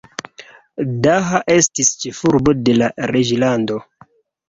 Daha estis ĉefurbo de la reĝlando.